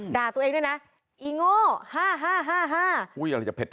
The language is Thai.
ด่าตัวเองด้วยนะไอ้โง่ฮ่า